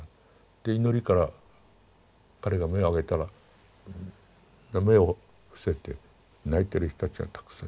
で祈りから彼が目を上げたら目を伏せて泣いてる人たちがたくさんいた。